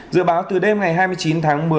dự báo từ đêm ngày hai mươi chín tháng một mươi